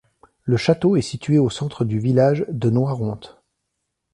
Le château est situé au centre du village de Noironte.